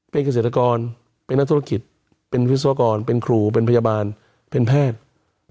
เป็นเกษตรกรเป็นนักธุรกิจเป็นวิศวกรเป็นครูเป็นพยาบาลเป็นแพทย์